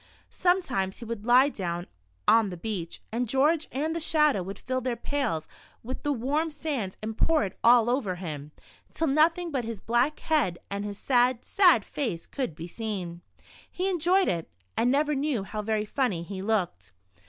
Sometimes he would lie down on the beach, and George and the Shadow would till their pails with the warm sand and pour it all over him, till nothing but his black head, and his sad, sad face could be seen. He enjoyed it, and never knew how very funny he looked.